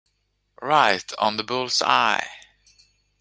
Right on the bull's-eye.